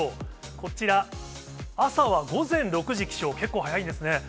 こちら、朝は午前６時起床、結構早いんですね。